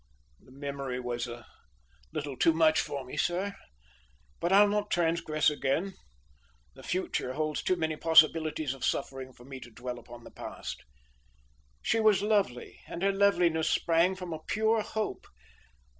the memory was a little too much for me, sir; but I'll not transgress again; the future holds too many possibilities of suffering for me to dwell upon the past. She was lovely and her loveliness sprang from a pure hope.